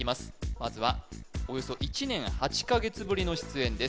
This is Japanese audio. まずはおよそ１年８か月ぶりの出演です